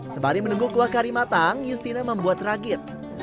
sembari menunggu kuah kari matang justina membuat ragit